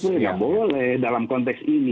tidak boleh dalam konteks ini